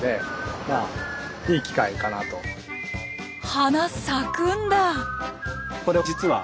花咲くんだ。